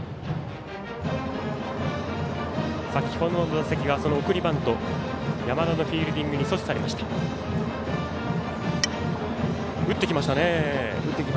先ほどの打席が送りバント山田のフィールディングに阻止されました。